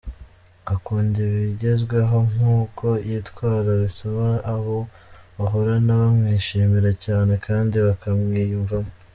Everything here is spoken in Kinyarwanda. Akunda ibigezweho n’uko yitwara bituma abo bahorana bamwishimira cyane kandi bakamwiyumvamo.